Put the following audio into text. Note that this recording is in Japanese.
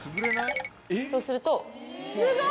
そうすると。